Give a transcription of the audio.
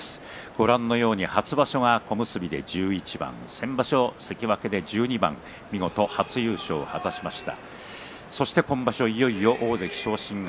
ご覧のように初場所は小結で１１番先場所は関脇で１２番見事、初優勝を果たしました。